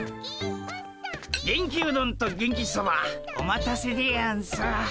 元気うどんと元気そばお待たせでやんす。